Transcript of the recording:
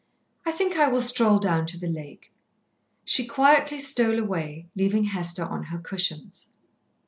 "I think I will stroll down to the lake." She quietly stole away, leaving Hester on her cushions.